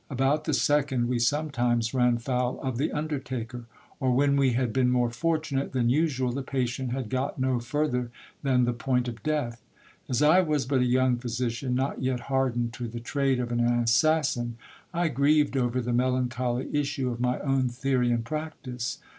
About the second, we sometimes ran foul of the undertaker ; or when we had been more fortunate than usual, the patient had got no further than the point of death. As I was but a young physician, not yet hardened to the trade of an assassin, I grieved over the melancholy issue of my own theory and practice.